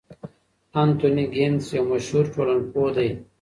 انتوني ګیدنز یو مشهور ټولنپوه دی.